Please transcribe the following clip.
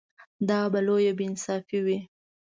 دا به لویه بې انصافي وي.